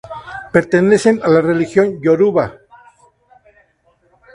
Pertenecen a la Religión yoruba.